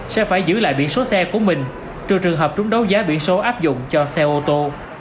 sẽ phải giữ lại biển số xe của mình trừ trường hợp trúng đấu giá biển số áp dụng cho xe ô tô